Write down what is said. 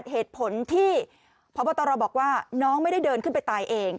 เหตุผลที่พบตรบอกว่าน้องไม่ได้เดินขึ้นไปตายเอง